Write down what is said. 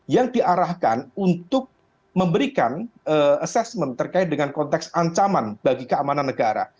yang diarahkan untuk memberikan assessment terkait dengan konteks ancaman bagi keamanan negara